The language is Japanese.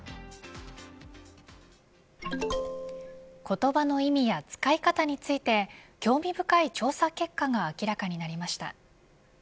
言葉の意味や使い方について興味深い調査結果が明らかになりました。